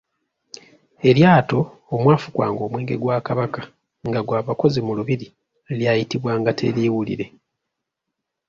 Eryato omwafukwanga omwenge gwa Kabaka nga gwa bakozi mu lubiri lyayitibwanga teriwulire.